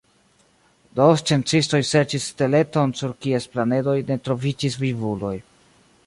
Do sciencistoj serĉis steleton sur kies planedoj ne troviĝis vivuloj.